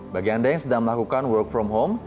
bagi anda yang sedang melakukan work from home